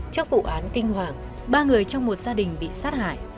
trước vụ án kinh hoàng ba người trong một gia đình bị sát hại